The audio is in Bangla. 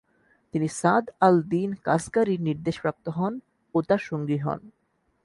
তিনি সাদ-আল দীন কাসগারির নির্দেশ প্রাপ্ত হন ও তার সঙ্গী হন।